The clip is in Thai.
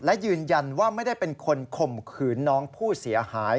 และยืนยันว่าไม่ได้เป็นคนข่มขืนน้องผู้เสียหาย